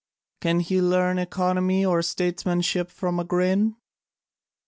Can he learn economy or statesmanship from a grin?"